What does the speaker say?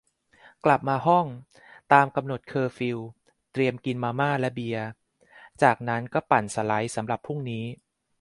กลับมาห้อง ตามกำหนดเคอร์ฟิว เตรียมกินมาม่า และเบียร์ จากนั้นก็ปั่นสไลด์ สำหรับพรุ่งนี้